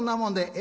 「え？